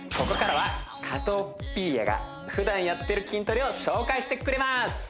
ここからは加藤ピーヤが普段やってる筋トレを紹介してくれます